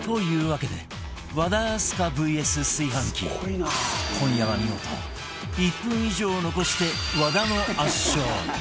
わけで和田明日香 ＶＳ 炊飯器今夜は見事１分以上を残して和田の圧勝